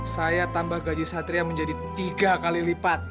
saya tambah gaji satria menjadi tiga kali lipat